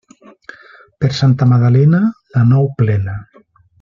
Per Santa Magdalena, la nou plena.